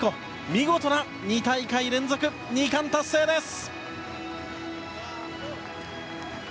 見事な２大会連続２冠達成です。